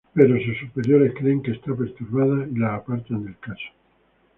Pero sus superiores creen que está perturbada y la apartan del caso.